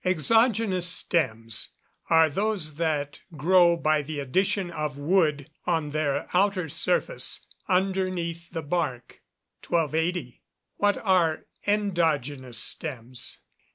_ Exogenous stems are those that grow by the addition of wood on their outer surface, underneath the bark. 1280. _What are endogenous stems?